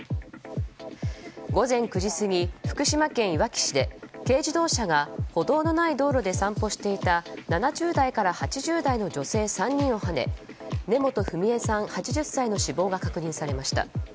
午前９時過ぎ福島県いわき市で軽自動車が歩道のない道路で散歩していた７０代から８０代の女性３人をはね根本文江さん、８０歳の死亡が確認されました。